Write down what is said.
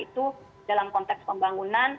itu dalam konteks pembangunan